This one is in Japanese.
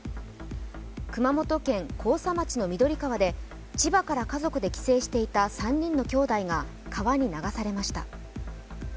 熊本県甲佐町の緑川で千葉から家族で帰省していた３人のきょうだいが川に流されました。